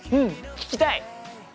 聞きたい！